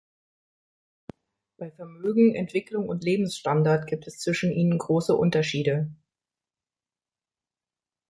Bei Vermögen, Entwicklung und Lebensstandard gibt es zwischen ihnen große Unterschiede.